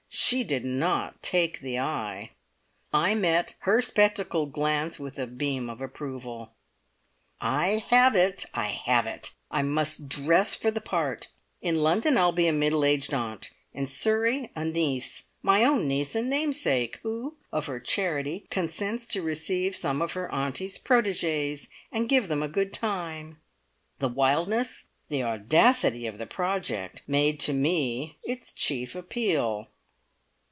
She did not "take the eye". I met her spectacled glance with a beam of approval. "I have it! I have it! I must dress for the part! In London I'll be a middle aged aunt; in Surrey, a niece my own niece and namesake, who, of her charity, consents to receive some of her auntie's protegees and give them a good time!" The wildness, the audacity of the project made to me its chief appeal.